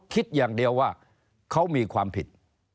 คิดอย่างเดียวว่าเขามีความผิด